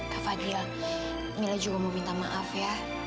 kak fadil mila juga mau minta maaf ya